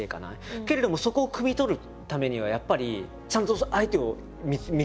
けれどもそこをくみ取るためにはやっぱりちゃんと相手を見極めなきゃいけないので。